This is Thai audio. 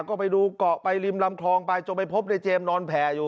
ก็ไปดูเกาะไปริมลำคลองไปจนไปพบในเจมส์นอนแผ่อยู่